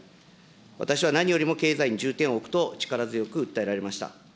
私は何よりも経済に重点を置くと、力強く訴えられました。